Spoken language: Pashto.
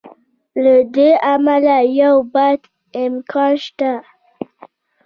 له همدې امله یو بد امکان شته.